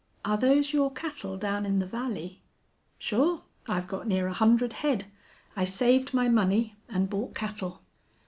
"Are those your cattle down in the valley?" "Sure. I've got near a hundred head. I saved my money and bought cattle."